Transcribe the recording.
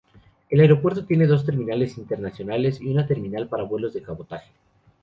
El aeropuerto tiene dos terminales internacionales y una terminal para vuelos de cabotaje.